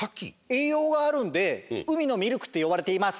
えいようがあるんでうみのミルクってよばれています。